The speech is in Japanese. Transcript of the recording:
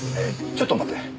ちょっと待って。